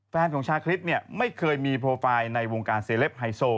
แฟนของชาคริสไม่เคยมีโปรไฟล์ในวงการเซล็ปไฮโซ